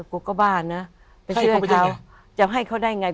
กูก็บ้านะไปช่วยเขาจะให้เขาได้ไง